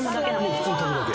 もう普通に炊くだけ？